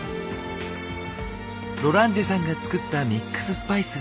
ロランジェさんが作ったミックススパイス。